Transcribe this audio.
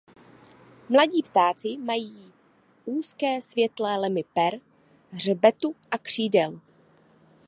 Mladí ptáci mají úzké světlé lemy per hřbetu a křídel.